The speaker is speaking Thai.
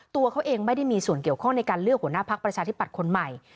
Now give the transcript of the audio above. ตัวเขาเองไม่ได้มีส่วนเกี่ยวข้องในการเลือกหัวหน้าพักประชาธิปัตย์คนใหม่